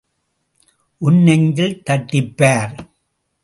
உன் நெஞ்சில் தட்டிப் பார்.